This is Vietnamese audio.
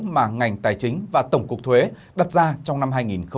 mà ngành tài chính và tổng cục thuế đặt ra trong năm hai nghìn một mươi tám